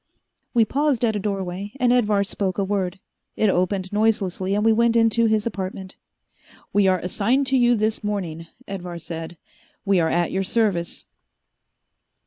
We paused at a doorway, and Edvar spoke a word. It opened noiselessly and we went into his apartment. "We are assigned to you this morning," Edvar said. "We are at your service."